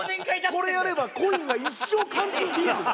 これやればコインが一生貫通するんです。